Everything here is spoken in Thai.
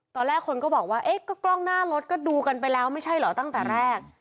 ตอนแรกคนก็บอกว่าเอ๊ะก็กล้องหน้ารถก็ดูกันไปแล้วไม่ใช่เหรอตั้งแต่แรก